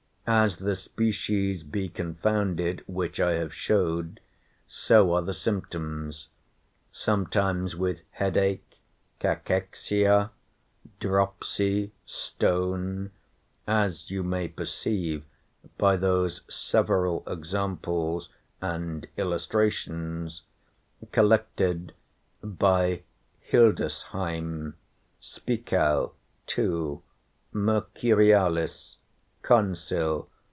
As the species be confounded (which I have shewed) so are the symptoms; sometimes with headache, cachexia, dropsy, stone, (as you may perceive by those several examples and illustrations, collected by Hildesheim, spicel. 2,_ Mercurialis, consil.